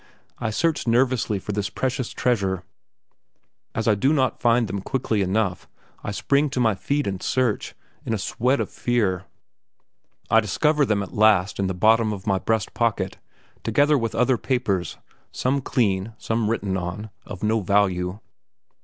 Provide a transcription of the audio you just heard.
I search nervously for this precious treasure. As I do not find them quickly enough, I spring to my feet and search, in a sweat of fear. I discover them at last in the bottom of my breast pocket, together with other papers some clean, some written on of no value.